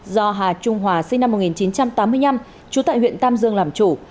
do hà trung hòa sinh năm một nghìn chín trăm tám mươi năm trú tại huyện tam dương làm chủ